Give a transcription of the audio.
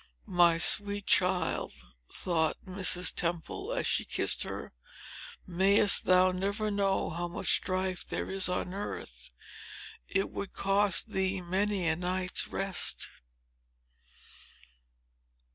"My sweet child," thought Mrs. Temple, as she kissed her, "mayest thou never know how much strife there is on earth! It would cost thee many a night's rest."